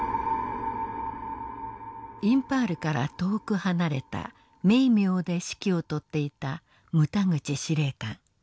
インパールから遠く離れたメイミョーで指揮をとっていた牟田口司令官。